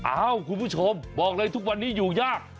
คุณผู้ชมบอกเลยทุกวันนี้อยู่ยาก